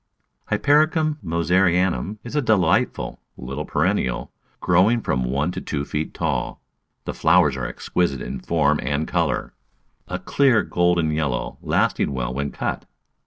Hypericum Moserianum is a delightful little per ennial, growing from one to two feet tall; the flowers are exquisite in form and colour — a clear, golden yellow lasting well when cut.